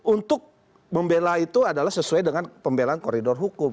untuk membela itu adalah sesuai dengan pembelaan koridor hukum